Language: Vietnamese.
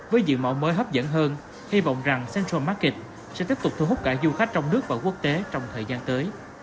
với dự mẫu mới hấp dẫn hơn hy vọng rằng central market sẽ tiếp tục thu hút cả du khách trong nước và quốc tế trong thời gian tới